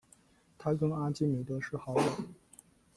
他跟阿基米德是好友。